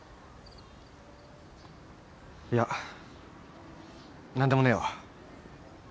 いや何でもねえわ。